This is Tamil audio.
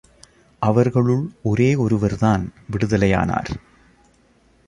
அவர்களுள் ஒரே ஒருவர்தான் விடுதலையானார்.